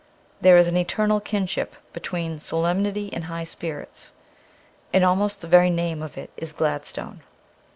There is an eternal kinship between solemnity and high spirits, and almost the very name of it is Gladstone.